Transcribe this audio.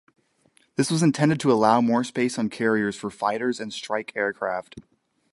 This was intended to allow more space on carriers for fighters and strike aircraft.